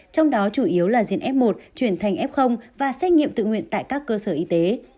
trong đó chủ yếu là diện f một chuyển thành f và xét nghiệm tự nguyện tại các cơ sở y tế